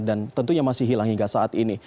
dan tentunya masih hilang hingga saat ini